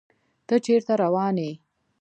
تۀ چېرته روان يې ؟